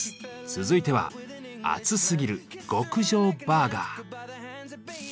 続いては「アツすぎる！極上バーガー」。